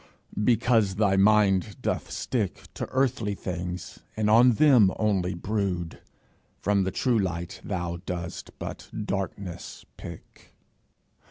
Because thy mind doth stick To earthly things, and on them only brood, From the true light thou dost but darkness pick.